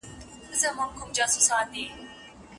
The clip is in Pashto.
هر سړی یې رانیولو ته تیار وي